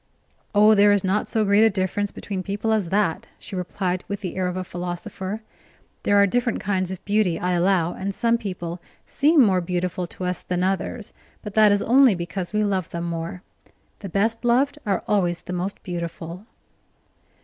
"Oh, there is not so great a difference between people as that," she replied, with the air of a philosopher. "There are different kinds of beauty, I allow, and some people seem more beautiful to us than others, but that is only because we love them more. The best loved are always the most beautiful."